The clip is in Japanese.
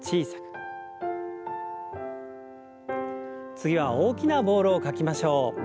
次は大きなボールを描きましょう。